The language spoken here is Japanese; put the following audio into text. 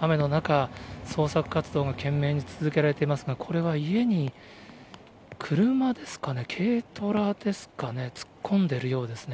雨の中、捜索活動が懸命に続けられていますが、これは家に車ですかね、軽トラですかね、突っ込んでるようですね。